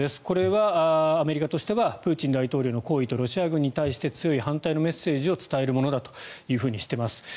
これはアメリカとしてはプーチン大統領の行為とロシア軍に対して強い反対のメッセージを伝えるものだとしています。